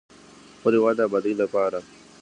د خپل هیواد د ابادۍ لپاره.